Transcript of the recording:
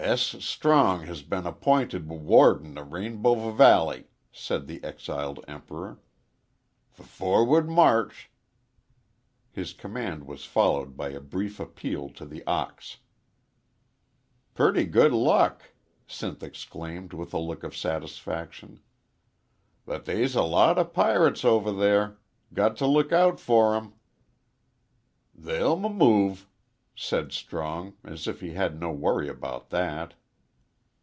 "S. Strong has been app'inted W warden o' Rainbow V valley," said the exiled Emperor. "F forward march." His command was followed by a brief appeal to the ox. "Purty good luck!" Sinth exclaimed, with a look of satisfaction. "But they's a lot o' pirates over there got t' look out fer 'em." "They'll m move," said Strong, as if he had no worry about that.